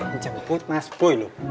menjemput mas boy loh